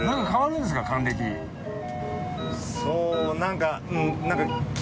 そう何か。